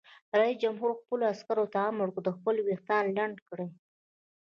رئیس جمهور خپلو عسکرو ته امر وکړ؛ خپل ویښتان لنډ کړئ!